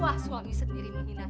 wah suami sendiri menghina